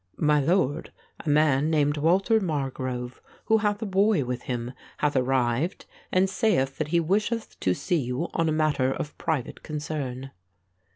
"My lord, a man named Walter Margrove, who hath a boy with him, hath arrived and saith that he wisheth to see you on a matter of private concern."